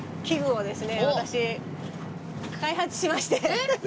えっ！